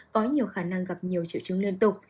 có nhiều khả năng gặp nhiều triệu chứng liên tục